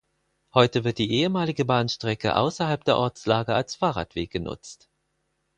Heute wird die ehemalige Bahnstrecke außerhalb der Ortslage als Fahrradweg genutzt.